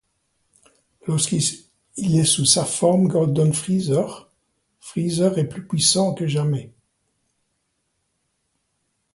Lorsqu'il est sous sa forme Golden Freezer, Freezer est plus puissant que jamais.